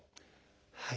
はい。